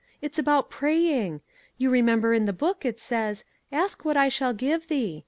It is about praying. You remember in the Book it says: 'Ask what I shall give thee.'